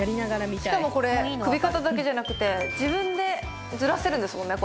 しかもこれ首肩だけじゃなくて自分でずらせるんですもんね